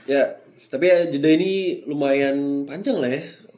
ya tapi jendela ini lumayan panjang lah ya